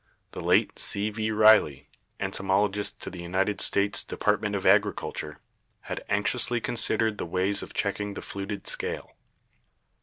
The late C. V. Riley, Entomologist to the United States Depart ment of Agriculture, had anxiously considered the ways of checking the fluted scale.